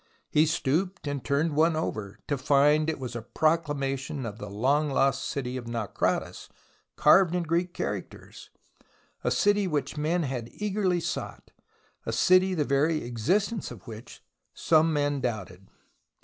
He stooped and turned one over, to find it was a proclamation of the long lost city of Naukratis carved in Greek characters, a city which men had eagerly sought, a city the very existence of which some men doubted.